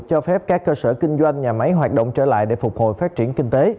cho phép các cơ sở kinh doanh nhà máy hoạt động trở lại để phục hồi phát triển kinh tế